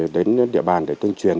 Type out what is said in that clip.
đến địa bàn để tuyên truyền